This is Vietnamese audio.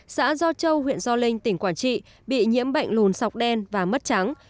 xã do châu huyện do linh tỉnh quảng trị bị nhiễm bệnh lùn sọc đen và mất trắng